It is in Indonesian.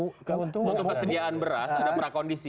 untuk kesediaan beras ada prakondisi